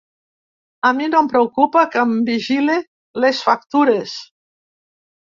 A mi no em preocupa que em vigile les factures.